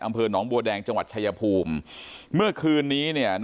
อำเภอหนองบัวแดงจังหวัดชายภูมิเมื่อคืนนี้เนี่ย